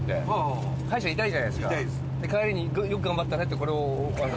帰りに「よく頑張ったね」ってこれを。